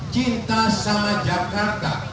cinta sama jakarta